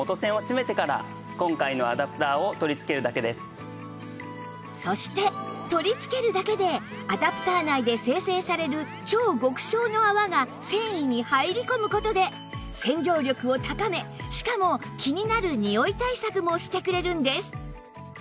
しかもそして取り付けるだけでアダプター内で生成される超極小の泡が繊維に入り込む事で洗浄力を高めしかも気になるにおい対策もしてくれるんです